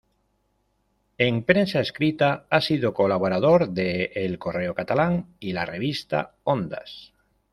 En prensa escrita ha sido colaborador de "El Correo Catalán" y la revista "Ondas".